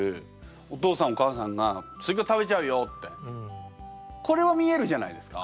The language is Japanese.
お父さんお母さんが「スイカ食べちゃうよ」って。これは見えるじゃないですか。